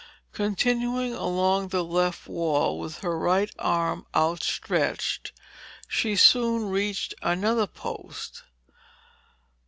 Continuing along the left wall, with her right arm outstretched, she soon reached another post.